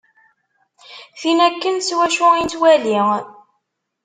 Tin akken s wacu i nettwali.